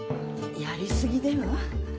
やり過ぎでは？